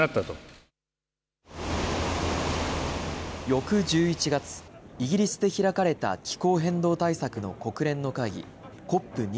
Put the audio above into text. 翌１１月、イギリスで開かれた気候変動対策の国連の会議、ＣＯＰ２６。